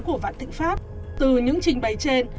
của vạn thịnh pháp từ những trình bày trên